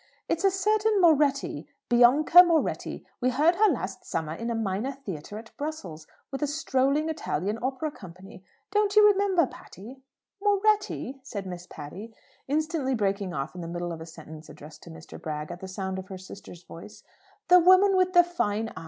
"It's a certain Moretti: Bianca Moretti. We heard her last summer in a minor theatre at Brussels, with a strolling Italian Opera Company. Don't you remember, Patty?" "Moretti?" said Miss Patty, instantly breaking off in the middle of a sentence addressed to Mr. Bragg, at the sound of her sister's voice.